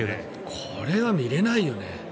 これは見れないよね。